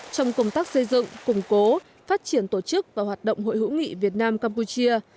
trong công tác xây dựng củng cố phát triển tổ chức và hoạt động hội hữu nghị việt nam campuchia